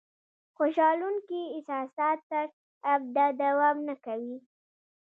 خوشالونکي احساسات تر ابده دوام نه کوي.